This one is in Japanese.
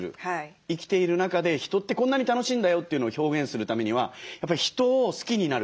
生きている中で人ってこんなに楽しいんだよというのを表現するためにはやっぱり人を好きになること。